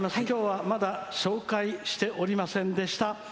きょうはまだ紹介しておりませんでした